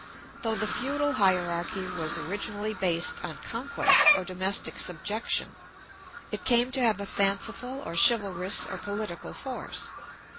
Though the feudal hierarchy was originally based on conquest or domestic subjection, it came to have a fanciful or chivalrous or political force.